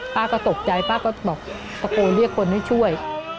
ป้าก็ตกใจป้าก็บอกตะโกนเรียกคนให้ช่วย